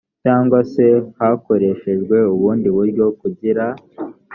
cyangwa se hakoreshejwe ubundi buryo kugira